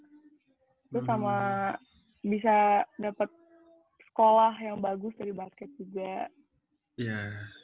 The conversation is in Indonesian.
terus sama bisa dapat sekolah yang bagus dari basket juga